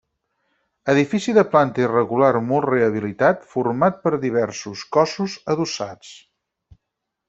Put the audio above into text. Edifici de planta irregular molt rehabilitat, format per diversos cossos adossats.